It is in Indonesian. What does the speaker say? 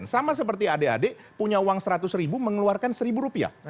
sama seperti adik adik punya uang seratus ribu mengeluarkan seribu rupiah